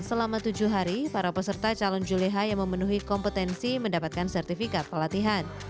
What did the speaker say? selama tujuh hari para peserta calon juleha yang memenuhi kompetensi mendapatkan sertifikat pelatihan